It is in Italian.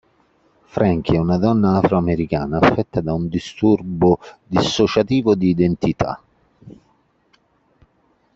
Frankie è una donna afroamericana affetta da un disturbo dissociativo di identità.